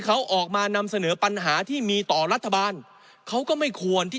เขาออกมานำเสนอปัญหาที่มีต่อรัฐบาลเขาก็ไม่ควรที่